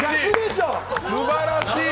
すばらしい！